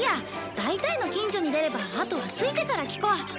大体の近所に出ればあとは着いてから聞こう。